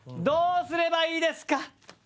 「どうすればいいですか？」。